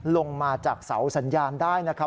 ลงมาจากเสาสัญญาณได้นะครับ